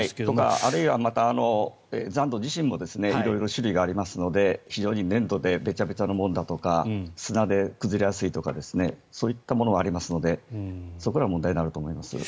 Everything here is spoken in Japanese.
あるいは残土自身も色々種類がありますので非常に粘度でべちゃべちゃのものだとか砂で崩れやすいとかそういったものがありますのでそこが問題になると思います。